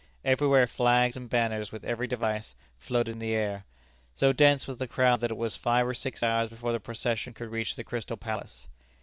Everywhere flags and banners, with every device, floated in the air. So dense was the crowd that it was five or six hours before the procession could reach the Crystal Palace.